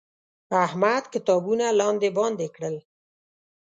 احمد کتابونه لاندې باندې کړل.